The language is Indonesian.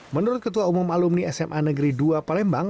menurut ketua umum alumni sma negeri dua palembang